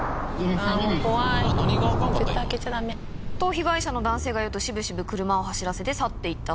被害者の男性が言うと渋々車を走らせて去っていった。